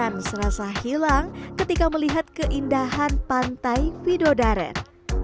dan serasa hilang ketika melihat keindahan pantai widodaren